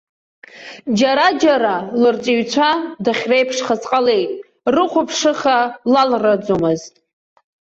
Џьараџьара лырҵаҩцәа дахьреиԥшхаз ҟалеит, рыхәаԥшыха лалраӡомызт.